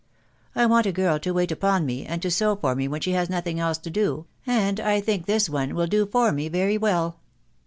I want a girl to wait upon me, and to sew for me when she has no tiling else to do, and I think this one will do for me very well."